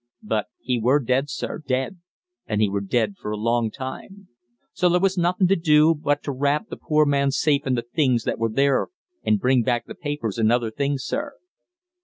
But he were dead, sir, dead; and he were dead for a long time. So there was nothin' to do but to wrap th' poor man safe in th' things that were there, an' bring back th' papers an' other things, sir."